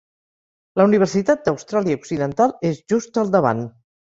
La Universitat d'Austràlia Occidental és just al davant.